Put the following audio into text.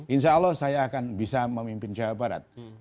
insya allah saya akan bisa memimpin jawa barat